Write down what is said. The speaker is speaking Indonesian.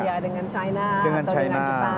ya dengan china atau dengan jepang